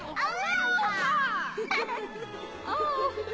あ。